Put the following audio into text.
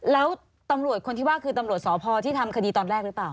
แล้วตำรวจคนที่ว่าคือตำรวจสพที่ทำคดีตอนแรกหรือเปล่า